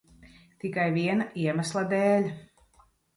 Tikai viena iemesla dēļ.